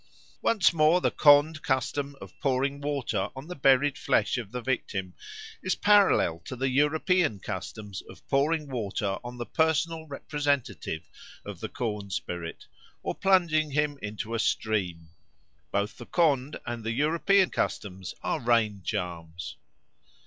Once more the Khond custom of pouring water on the buried flesh of the victim is parallel to the European customs of pouring water on the personal representative of the corn spirit or plunging him into a stream. Both the Khond and the European customs are rain charms.